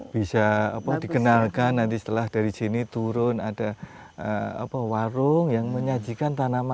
bisa dikenalkan nanti setelah dari sini turun ada warung yang menyajikan tanaman